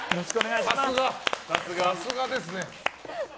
さすがですね。